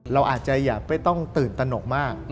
เราอาจจะอยากไม่ต้องตื่นตนกมาก